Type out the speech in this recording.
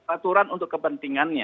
aturan untuk kepentingannya